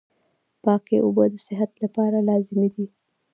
پاکي اوبه د صحت لپاره لازمي دي.